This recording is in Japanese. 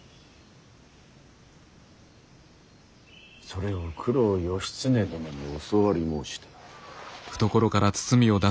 それを九郎義経殿に教わり申した。